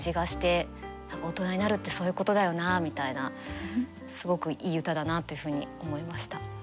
大人になるってそういうことだよなみたいなすごくいい歌だなというふうに思いました。